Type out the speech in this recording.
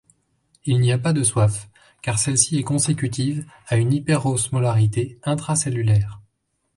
Il n'y a pas de soif car celle-ci est consécutive à une hyperosmolarité intracellulaire.